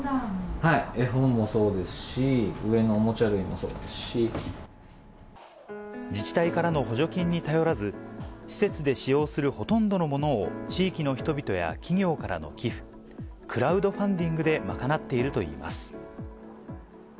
絵本もそうですし、上のおも自治体からの補助金に頼らず、施設で使用するほとんどのものを、地域の人々や企業からの寄付、クラウドファンディングで賄っているといいます。